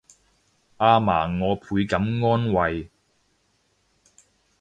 阿嫲我倍感安慰